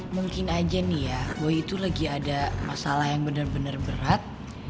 mungkin aja nih ya boy itu lagi ada masalah yang bener bener berat